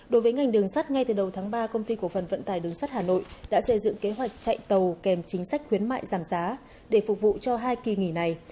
đối với ngành đường sắt ngay từ đầu tháng ba công ty cổ phần vận tài đường sắt hà nội đã xây dựng kế hoạch chạy tàu kèm chính sách khuyến mại giảm giá để phục vụ cho hai kỳ nghỉ này